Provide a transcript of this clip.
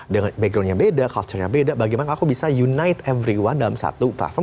dengan backgroundnya beda culturenya beda bagaimana aku bisa unite everyone dalam satu platform